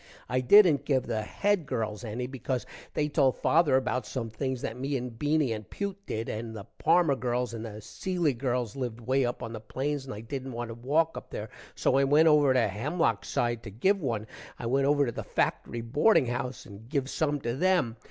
i dident give the Head girls any because they told father about some things that me and Beany and Pewt did and the Parmer girls and the Cilley girls lived way up on the plains and i dident want to walk up there, so when i went over to Hemlock side to give one, i went over to the factory boarding house and give some to them.